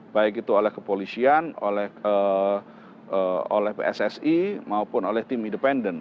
baik itu oleh kepolisian oleh pssi maupun oleh tim independen